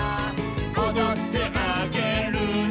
「おどってあげるね」